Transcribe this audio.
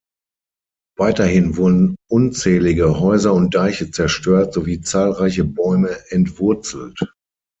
Weiterhin wurden unzählige Häuser und Deiche zerstört sowie zahlreiche Bäume entwurzelt.